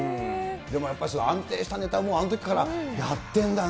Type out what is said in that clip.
でもやっぱり、安定したネタはあのときからやってるんだね。